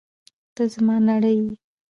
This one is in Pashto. ته زما نړۍ یې!